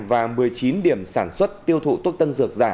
và một mươi chín điểm sản xuất tiêu thụ thuốc tân dược giả